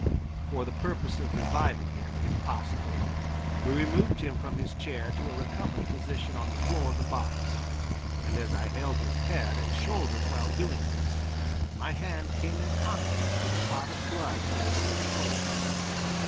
For the purpose of reviving him, if possible, we removed him from his chair to a recumbent position on the floor of the box, and as I held his head and shoulders while doing this, my hand came in contact with a clot of blood near his left shoulder.